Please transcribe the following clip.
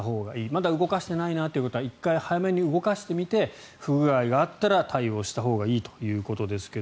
まだ動かしていないなという方は１回早めに動かしてみて不具合があったら対応したほうがいいということですが